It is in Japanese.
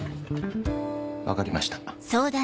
分かりました。